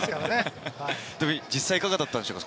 実際いかがだったんでしょうか？